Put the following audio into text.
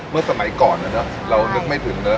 เมื่อสมัยก่อนแล้วเนอะเรานึกไม่ถึงเนอะ